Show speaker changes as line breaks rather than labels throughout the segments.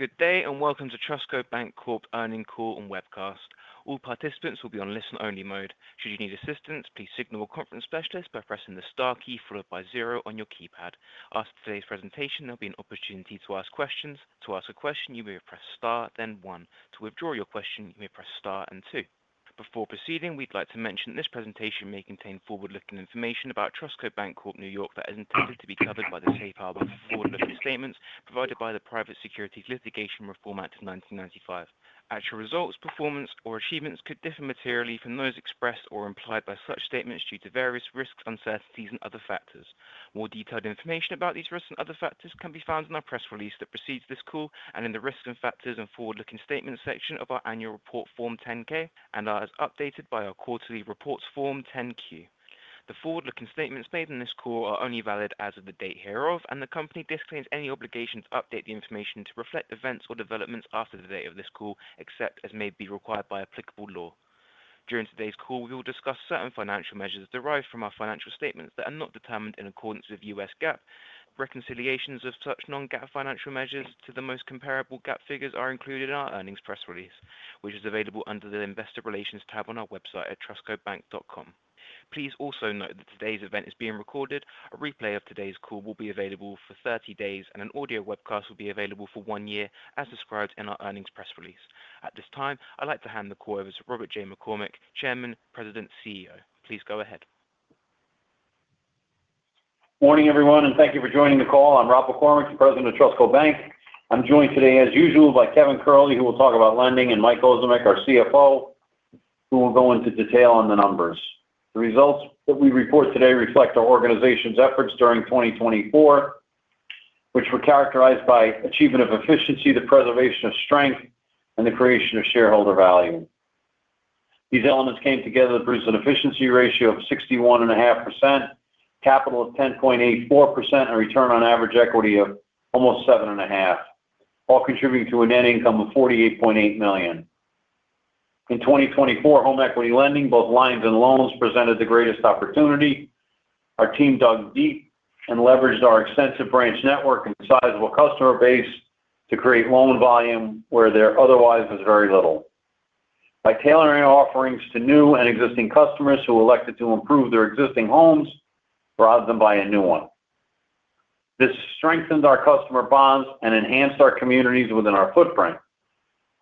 Good day and welcome to Trustco Bank Corp Earnings Call and Webcast. All participants will be on listen-only mode. Should you need assistance, please signal your conference specialist by pressing the star key followed by zero on your keypad. After today's presentation, there'll be an opportunity to ask questions. To ask a question, you may press star, then one. To withdraw your question, you may press star and two. Before proceeding, we'd like to mention this presentation may contain forward-looking information about Trustco Bank Corp NY that is intended to be covered by the Safe Harbor forward-looking statements provided by the Private Securities Litigation Reform Act of 1995. Actual results, performance, or achievements could differ materially from those expressed or implied by such statements due to various risks, uncertainties, and other factors. More detailed information about these risks and other factors can be found in our press release that precedes this call and in the risks and factors and forward-looking statements section of our annual report, Form 10-K, and are as updated by our quarterly reports, Form 10-Q. The forward-looking statements made in this call are only valid as of the date hereof, and the company disclaims any obligation to update the information to reflect events or developments after the date of this call, except as may be required by applicable law. During today's call, we will discuss certain financial measures derived from our financial statements that are not determined in accordance with U.S. GAAP. Reconciliations of such non-GAAP financial measures to the most comparable GAAP figures are included in our earnings press release, which is available under the Investor Relations tab on our website at trustcobank.com. Please also note that today's event is being recorded. A replay of today's call will be available for 30 days, and an audio webcast will be available for one year, as described in our earnings press release. At this time, I'd like to hand the call over to Robert J. McCormick, Chairman, President, CEO. Please go ahead.
Morning, everyone, and thank you for joining the call. I'm Robert McCormick, the President of Trustco Bank. I'm joined today, as usual, by Kevin Curley, who will talk about lending, and Michael Ozimek, our CFO, who will go into detail on the numbers. The results that we report today reflect our organization's efforts during 2024, which were characterized by achievement of efficiency, the preservation of strength, and the creation of shareholder value. These elements came together to produce an efficiency ratio of 61.5%, capital of 10.84%, and return on average equity of almost 7.5%, all contributing to a net income of $48.8 million. In 2024, home equity lending, both lines and loans, presented the greatest opportunity. Our team dug deep and leveraged our extensive branch network and sizable customer base to create loan volume where there otherwise was very little, by tailoring our offerings to new and existing customers who elected to improve their existing homes rather than buy a new one. This strengthened our customer bonds and enhanced our communities within our footprint.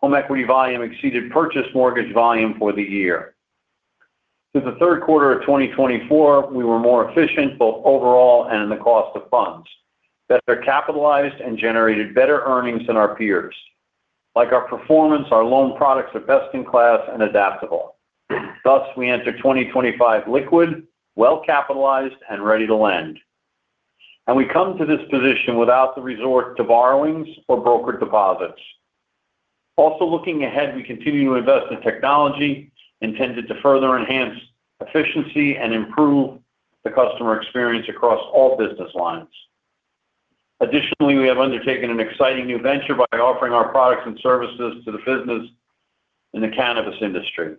Home equity volume exceeded purchase mortgage volume for the year. Since the third quarter of 2024, we were more efficient both overall and in the cost of funds, better capitalized, and generated better earnings than our peers. Like our performance, our loan products are best in class and adaptable. Thus, we enter 2025 liquid, well capitalized, and ready to lend. And we come to this position without the resort to borrowings or brokered deposits. Also, looking ahead, we continue to invest in technology intended to further enhance efficiency and improve the customer experience across all business lines. Additionally, we have undertaken an exciting new venture by offering our products and services to the business in the cannabis industry.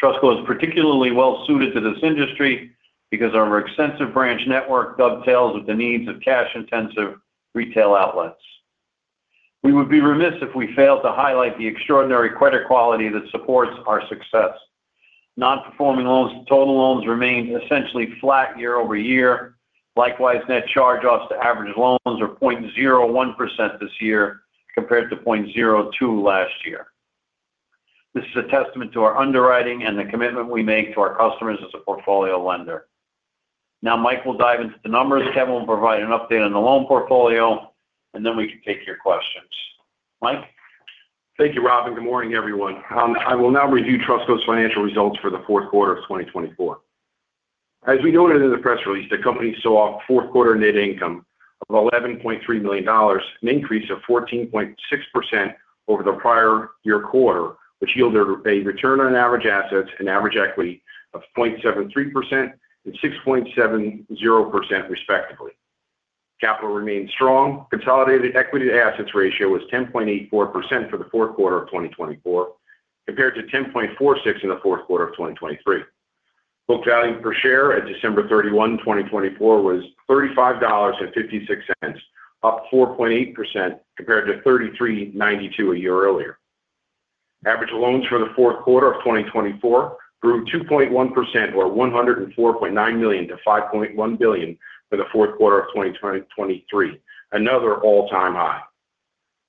Trustco is particularly well suited to this industry because our extensive branch network dovetails with the needs of cash-intensive retail outlets. We would be remiss if we failed to highlight the extraordinary credit quality that supports our success. Non-performing loans to total loans remain essentially flat year over year. Likewise, net charge-offs to average loans are 0.01% this year compared to 0.02% last year. This is a testament to our underwriting and the commitment we make to our customers as a portfolio lender. Now, Mike will dive into the numbers. Kevin will provide an update on the loan portfolio, and then we can take your questions. Mike.
Thank you, Robert. Good morning, everyone. I will now review Trustco's financial results for the fourth quarter of 2024. As we noted in the press release, the company saw fourth quarter net income of $11.3 million, an increase of 14.6% over the prior year quarter, which yielded a return on average assets and average equity of 0.73% and 6.70%, respectively. Capital remained strong. Consolidated equity to assets ratio was 10.84% for the fourth quarter of 2024, compared to 10.46% in the fourth quarter of 2023. Book value per share at December 31, 2024, was $35.56, up 4.8% compared to $33.92 a year earlier. Average loans for the fourth quarter of 2024 grew 2.1%, or $104.9 million, to $5.1 billion from the fourth quarter of 2023, another all-time high.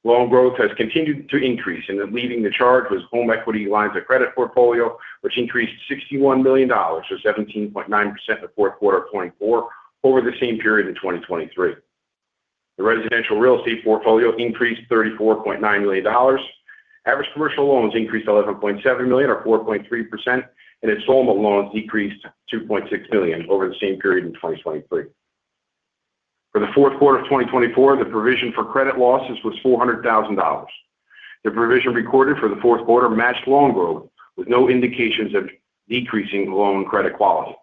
Loan growth has continued to increase, and leading the charge was home equity lines of credit portfolio, which increased $61 million, or 17.9%, the fourth quarter of 2024, over the same period in 2023. The residential real estate portfolio increased $34.9 million. Average commercial loans increased $11.7 million, or 4.3%, and installment loans decreased $2.6 million over the same period in 2023. For the fourth quarter of 2024, the provision for credit losses was $400,000. The provision recorded for the fourth quarter matched loan growth with no indications of decreasing loan credit quality.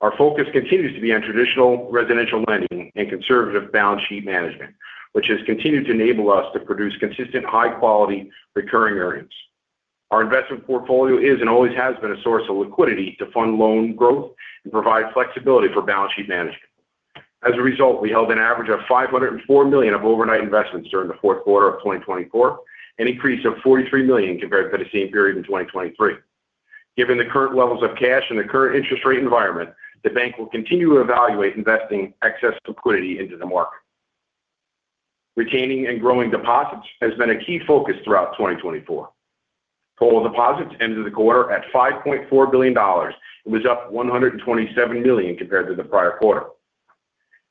Our focus continues to be on traditional residential lending and conservative balance sheet management, which has continued to enable us to produce consistent, high-quality, recurring earnings. Our investment portfolio is and always has been a source of liquidity to fund loan growth and provide flexibility for balance sheet management. As a result, we held an average of $504 million of overnight investments during the fourth quarter of 2024, an increase of $43 million compared to the same period in 2023. Given the current levels of cash and the current interest rate environment, the bank will continue to evaluate investing excess liquidity into the market. Retaining and growing deposits has been a key focus throughout 2024. Total deposits ended the quarter at $5.4 billion and was up $127 million compared to the prior quarter.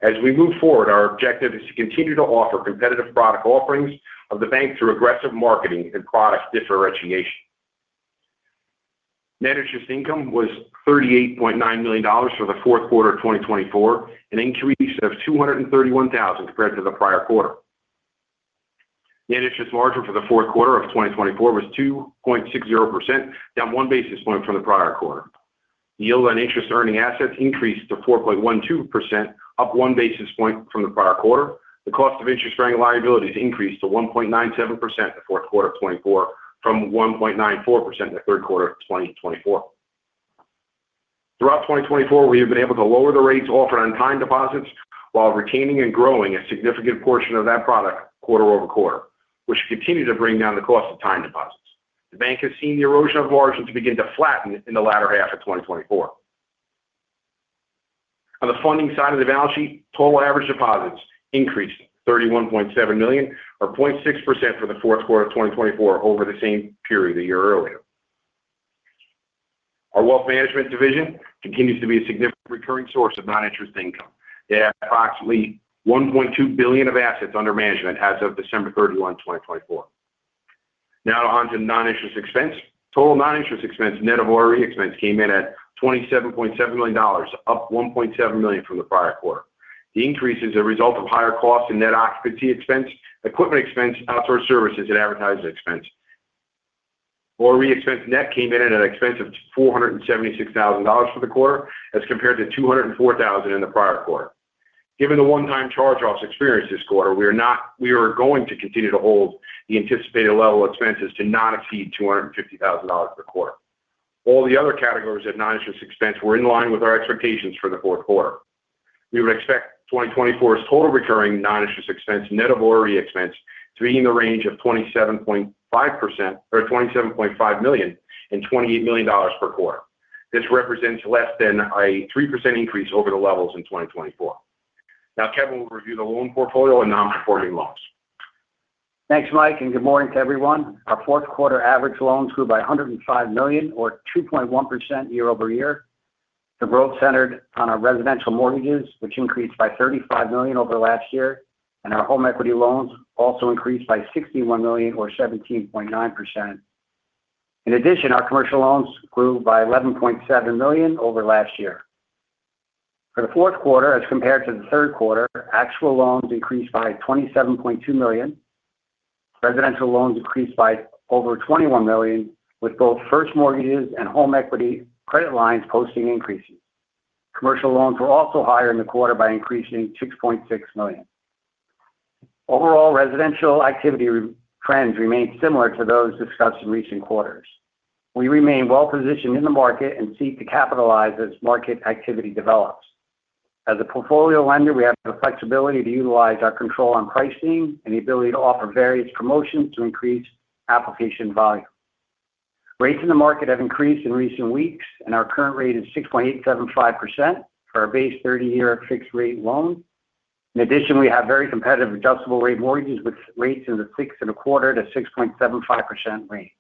As we move forward, our objective is to continue to offer competitive product offerings of the bank through aggressive marketing and product differentiation. Managed income was $38.9 million for the fourth quarter of 2024, an increase of $231,000 compared to the prior quarter. Managed margin for the fourth quarter of 2024 was 2.60%, down one basis point from the prior quarter. Yield on interest earning assets increased to 4.12%, up one basis point from the prior quarter. The cost of interest-bearing liabilities increased to 1.97% in the fourth quarter of 2024, from 1.94% in the third quarter of 2024. Throughout 2024, we have been able to lower the rates offered on time deposits while retaining and growing a significant portion of that product quarter over quarter, which continued to bring down the cost of time deposits. The bank has seen the erosion of margin to begin to flatten in the latter half of 2024. On the funding side of the balance sheet, total average deposits increased $31.7 million, or 0.6%, for the fourth quarter of 2024 over the same period a year earlier. Our wealth management division continues to be a significant recurring source of non-interest income. They have approximately $1.2 billion of assets under management as of December 31, 2024. Now on to non-interest expense. Total non-interest expense, net of ORE expense, came in at $27.7 million, up $1.7 million from the prior quarter. The increase is a result of higher costs in net occupancy expense, equipment expense, outsourced services, and advertising expense. ORE expense net came in at an expense of $476,000 for the quarter as compared to $204,000 in the prior quarter. Given the one-time charge-offs experienced this quarter, we are going to continue to hold the anticipated level of expenses to not exceed $250,000 per quarter. All the other categories of non-interest expense were in line with our expectations for the fourth quarter. We would expect 2024's total recurring non-interest expense, net of ORE expense, to be in the range of $27.5 million and $28 million per quarter. This represents less than a 3% increase over the levels in 2024. Now, Kevin will review the loan portfolio and non-performing loans.
Thanks, Mike, and good morning to everyone. Our fourth quarter average loans grew by $105 million, or 2.1% year over year. The growth centered on our residential mortgages, which increased by $35 million over last year, and our home equity loans also increased by $61 million, or 17.9%. In addition, our commercial loans grew by $11.7 million over last year. For the fourth quarter, as compared to the third quarter, actual loans increased by $27.2 million. Residential loans increased by over $21 million, with both first mortgages and home equity credit lines posting increases. Commercial loans were also higher in the quarter by increasing $6.6 million. Overall, residential activity trends remained similar to those discussed in recent quarters. We remain well positioned in the market and seek to capitalize as market activity develops. As a portfolio lender, we have the flexibility to utilize our control on pricing and the ability to offer various promotions to increase application volume. Rates in the market have increased in recent weeks, and our current rate is 6.875% for our base 30-year fixed-rate loan. In addition, we have very competitive adjustable-rate mortgages with rates in the 6.25%-6.75% range.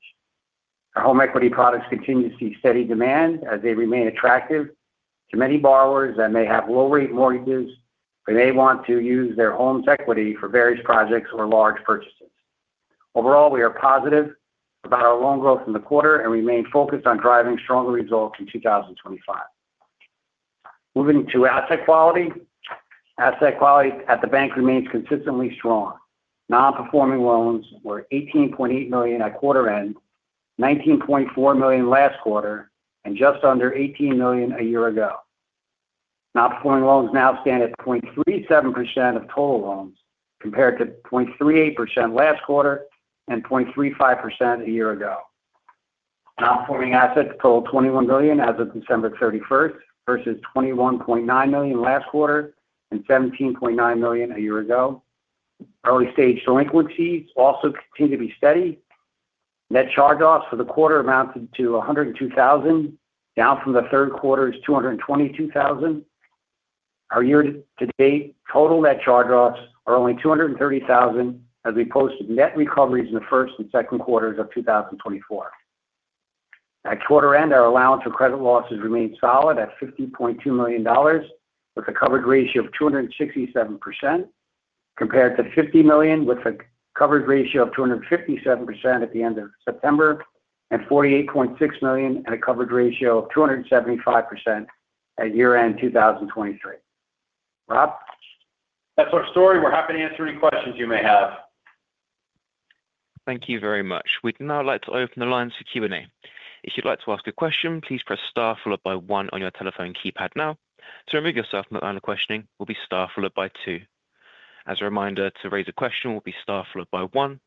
Our home equity products continue to see steady demand as they remain attractive to many borrowers that may have low-rate mortgages who may want to use their home's equity for various projects or large purchases. Overall, we are positive about our loan growth in the quarter and remain focused on driving stronger results in 2025. Moving to asset quality. Asset quality at the bank remains consistently strong. Non-performing loans were $18.8 million at quarter end, $19.4 million last quarter, and just under $18 million a year ago. Non-performing loans now stand at 0.37% of total loans compared to 0.38% last quarter and 0.35% a year ago. Non-performing assets total $21 million as of December 31st versus $21.9 million last quarter and $17.9 million a year ago. Early-stage delinquencies also continue to be steady. Net charge-offs for the quarter amounted to $102,000, down from the third quarter's $222,000. Our year-to-date total net charge-offs are only $230,000 as we posted net recoveries in the first and second quarters of 2024. At quarter end, our allowance for credit losses remained solid at $50.2 million, with a coverage ratio of 267%, compared to $50 million with a coverage ratio of 257% at the end of September and $48.6 million at a coverage ratio of 275% at year-end 2023. Rob?
That's our story. We're happy to answer any questions you may have.
Thank you very much. We'd now like to open the lines for Q&A. If you'd like to ask a question, please press star followed by one on your telephone keypad now. To remove yourself from the line of questioning, will be star followed by two. As a reminder, to raise a question, will be star followed by one.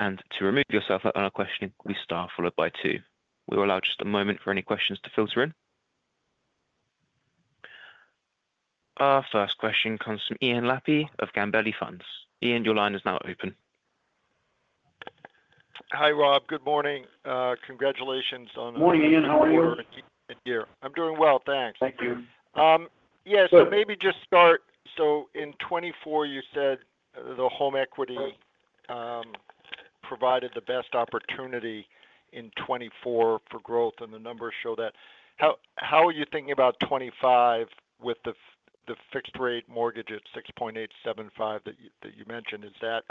And to remove yourself from the line of questioning, will be star followed by two. We'll allow just a moment for any questions to filter in. Our first question comes from Ian Lapey of Gabelli Funds. Ian, your line is now open.
Hi, Rob. Good morning. Congratulations on.
Morning, Ian. How are you?
I'm doing well. Thanks.
Thank you.
Yeah. So maybe just start. So in 2024, you said the home equity provided the best opportunity in 2024 for growth, and the numbers show that. How are you thinking about 2025 with the fixed-rate mortgage at 6.875 that you mentioned? Is that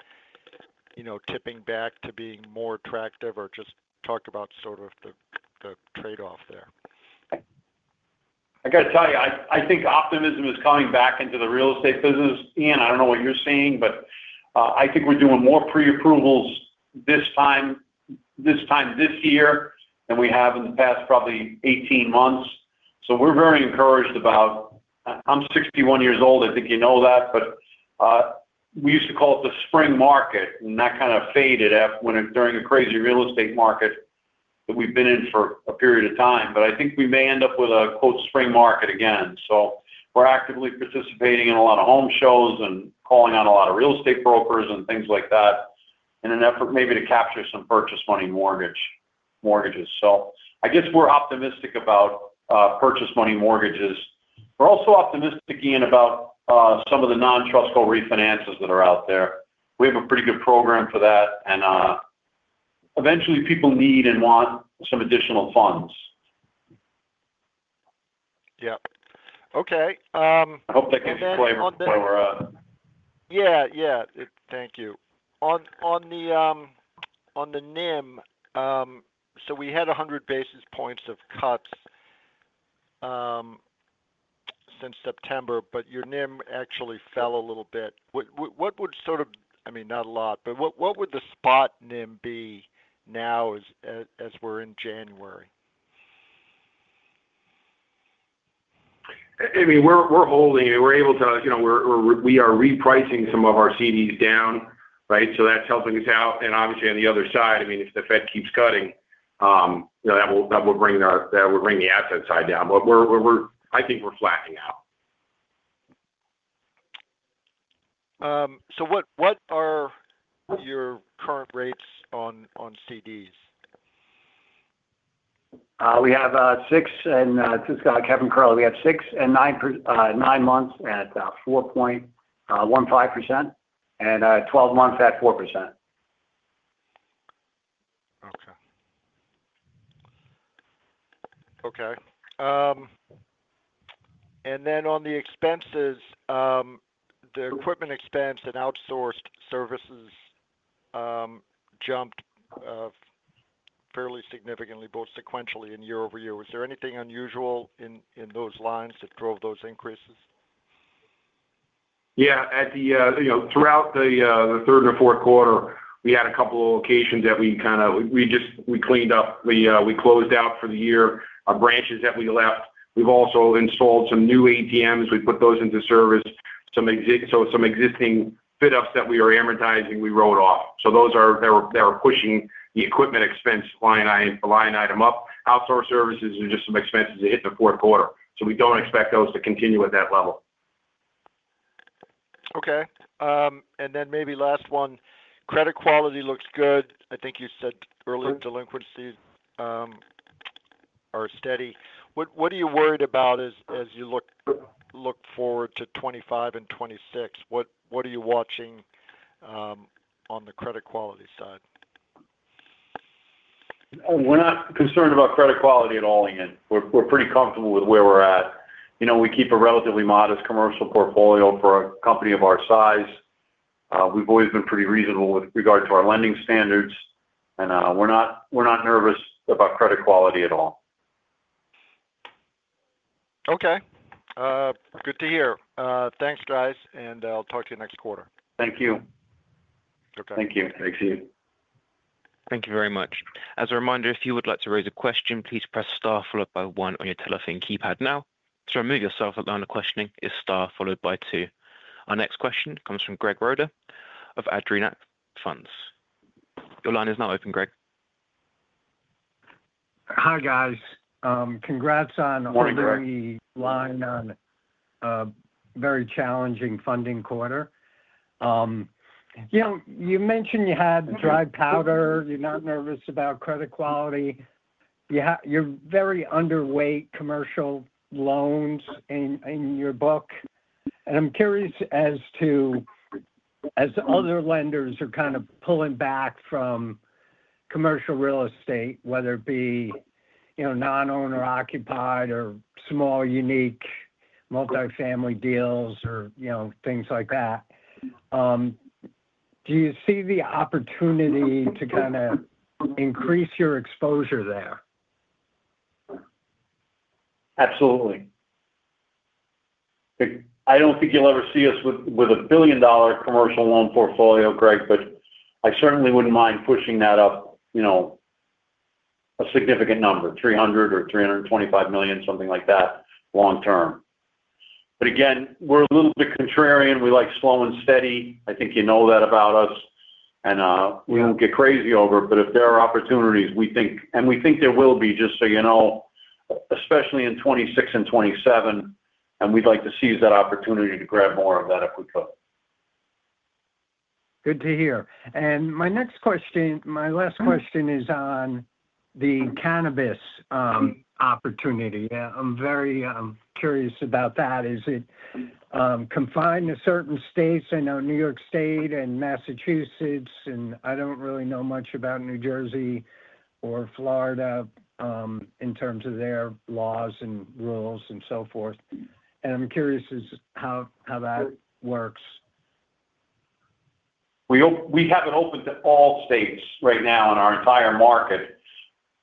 tipping back to being more attractive, or just talk about sort of the trade-off there?
I got to tell you, I think optimism is coming back into the real estate business. Ian, I don't know what you're seeing, but I think we're doing more pre-approvals this time this year than we have in the past probably 18 months. So we're very encouraged about. I'm 61 years old. I think you know that. But we used to call it the spring market, and that kind of faded during a crazy real estate market that we've been in for a period of time. But I think we may end up with a spring market again. So we're actively participating in a lot of home shows and calling on a lot of real estate brokers and things like that in an effort maybe to capture some purchase-money mortgages. So I guess we're optimistic about purchase-money mortgages. We're also optimistic, Ian, about some of the non-Trustco refinances that are out there. We have a pretty good program for that, and eventually, people need and want some additional funds.
Yeah. Okay.
I hope that gives you a flavor of where we're at.
Yeah. Yeah. Thank you. On the NIM, so we had 100 basis points of cuts since September, but your NIM actually fell a little bit. What would sort of, I mean, not a lot, but what would the spot NIM be now as we're in January?
I mean, we're holding. We're able to, we are repricing some of our CDs down, right? So that's helping us out. And obviously, on the other side, I mean, if the Fed keeps cutting, that will bring the asset side down. But I think we're flattening out.
So what are your current rates on CDs?
We have six, and this is Kevin Curley, we have six and nine months at 4.15% and 12 months at 4%.
Okay. Okay. And then on the expenses, the equipment expense and outsourced services jumped fairly significantly, both sequentially and year over year. Was there anything unusual in those lines that drove those increases?
Yeah. Throughout the third or fourth quarter, we had a couple of locations that we kind of, we cleaned up. We closed out for the year our branches that we left. We've also installed some new ATMs. We put those into service. So some existing fit-ups that we were amortizing, we wrote off. So those are pushing the equipment expense line item up. Outsource services are just some expenses that hit the fourth quarter. So we don't expect those to continue at that level.
Okay, and then maybe last one. Credit quality looks good. I think you said earlier delinquencies are steady. What are you worried about as you look forward to 2025 and 2026? What are you watching on the credit quality side?
We're not concerned about credit quality at all, Ian. We're pretty comfortable with where we're at. We keep a relatively modest commercial portfolio for a company of our size. We've always been pretty reasonable with regard to our lending standards, and we're not nervous about credit quality at all.
Okay. Good to hear. Thanks, guys, and I'll talk to you next quarter.
Thank you.
Okay.
Thank you. Thanks, Ian.
Thank you very much. As a reminder, if you would like to raise a question, please press star followed by one on your telephone keypad now. To remove yourself from the line of questioning is star followed by two. Our next question comes from Greg Roeder of Adirondack Funds. Your line is now open, Greg.
Hi, guys. Congrats on a very long and very challenging funding quarter. You mentioned you had dry powder. You're not nervous about credit quality. You have very underweight commercial loans in your book. And I'm curious as to as other lenders are kind of pulling back from commercial real estate, whether it be non-owner-occupied or small, unique multifamily deals or things like that, do you see the opportunity to kind of increase your exposure there?
Absolutely. I don't think you'll ever see us with a billion-dollar commercial loan portfolio, Greg, but I certainly wouldn't mind pushing that up a significant number, $300 million or $325 million, something like that, long term. But again, we're a little bit contrarian. We like slow and steady. I think you know that about us, and we won't get crazy over it. But if there are opportunities, we think, and we think there will be, just so you know, especially in 2026 and 2027, and we'd like to seize that opportunity to grab more of that if we could.
Good to hear. And my next question, my last question is on the cannabis opportunity. I'm very curious about that. Is it confined to certain states? I know New York State and Massachusetts, and I don't really know much about New Jersey or Florida in terms of their laws and rules and so forth. And I'm curious as to how that works?
We have it open to all states right now in our entire market,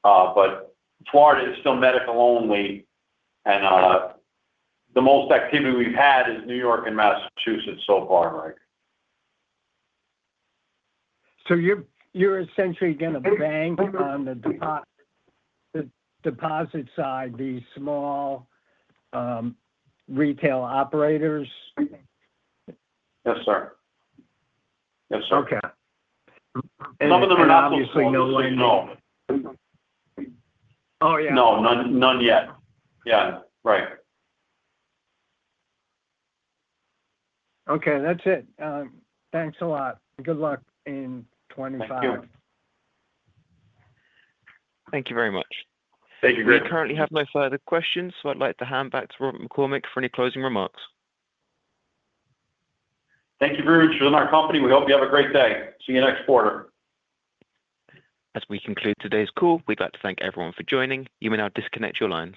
but Florida is still medical only, and the most activity we've had is New York and Massachusetts so far, Greg.
So you're essentially going to bank on the deposit side, the small retail operators?
Yes, sir. Yes, sir.
Okay.
Some of them are not fully.
Obviously, no lending.
Oh, yeah. No, none yet. Yeah. Right.
Okay. That's it. Thanks a lot. Good luck in 2025.
Thank you.
Thank you very much.
Thank you, Gregory.
I currently have no further questions, so I'd like to hand back to Robert McCormick for any closing remarks.
Thank you very much for joining our company. We hope you have a great day. See you next quarter.
As we conclude today's call, we'd like to thank everyone for joining. You may now disconnect your lines.